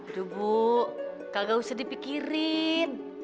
aduh bu kagak usah dipikirin